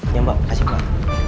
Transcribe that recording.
iya mbak kasih mbak